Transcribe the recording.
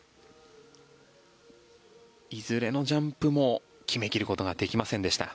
いずれのジャンプも決め切ることができませんでした。